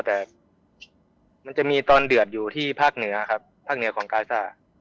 แต่มันจะมีตอนเดือดอยู่ที่ภาคเหนือครับภาคเหนือของกาซ่า